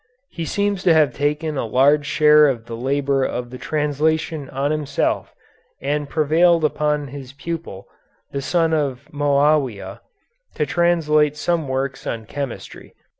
He seems to have taken a large share of the labor of the translation on himself and prevailed upon his pupil, the son of Moawia, to translate some works on chemistry.